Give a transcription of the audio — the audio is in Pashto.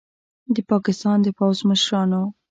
د پاکستان د پوځ مشرانو